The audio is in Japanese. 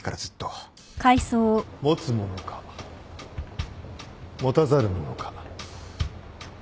持つ者か持たざる者か